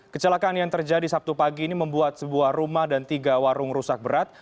kecelakaan yang terjadi sabtu pagi ini membuat sebuah rumah dan tiga warung rusak berat